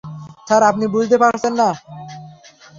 Sir, আপনি বুঝতে পারছেন না।